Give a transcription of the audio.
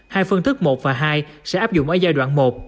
hai phương thức một và hai sẽ áp dụng ở giai đoạn một